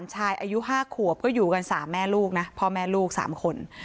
ชายอายุ๕ขวบก็อยู่กัน๓แม่ลูกนะพ่อแม่ลูก๓คน